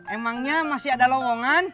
emangnya masih ada lowongan